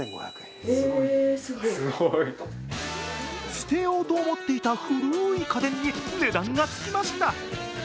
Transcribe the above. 捨てようと思っていた古い家電に値段がつきました。